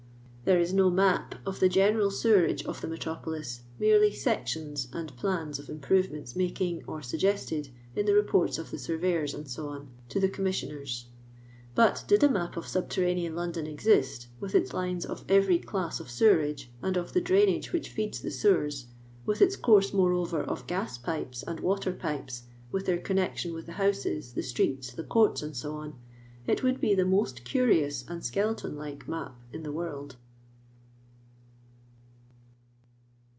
There it no map of the general lewenge of the metropolis, merely " sections " nnd " plans" of improvements making or suggested, in the reports of the surveyors, &c., to the Commissioners ; but did a map of subterranean London exist, with its lines of every class of sewerage and of the drain age which feeds the sewers; with iU course, moreover, of gas pipes and water pipes, with their connection with the houses, the strcoU, the courti, &c.. it would be the most curious and skeleton like map in the world.